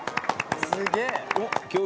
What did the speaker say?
すげえ！